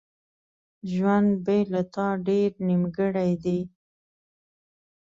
ژوند بیله تا ډیر نیمګړی دی.